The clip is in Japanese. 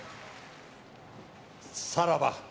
さらば。